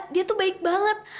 dia tuh baik banget